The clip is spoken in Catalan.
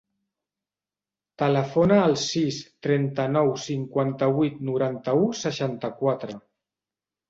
Telefona al sis, trenta-nou, cinquanta-vuit, noranta-u, seixanta-quatre.